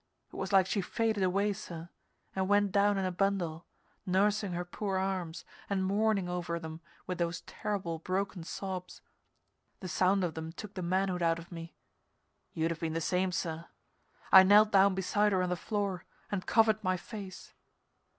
It was like she faded away, sir, and went down in a bundle, nursing her poor arms and mourning over them with those terrible, broken sobs. The sound of them took the manhood out of me you'd have been the same, sir. I knelt down beside her on the floor and covered my face.